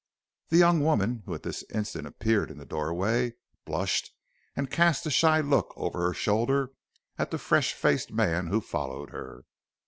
"The young woman, who at this instant appeared in the doorway, blushed and cast a shy look over her shoulder at the fresh faced man who followed her.